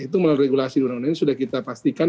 itu melalui regulasi undang undang ini sudah kita pastikan